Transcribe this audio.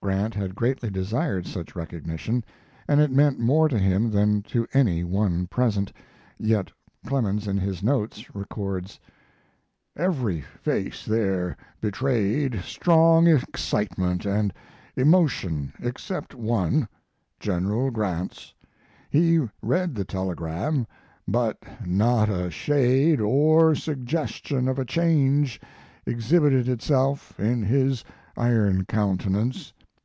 Grant had greatly desired such recognition, and it meant more to him than to any one present, yet Clemens in his notes records: Every face there betrayed strong excitement and emotion except one General Grant's. He read the telegram, but not a shade or suggestion of a change exhibited itself in his iron countenance.